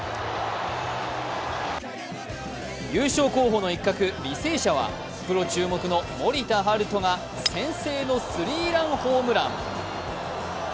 優勝候補の一角、履正社はプロ注目の森田大翔が先制のスリーランホームラン。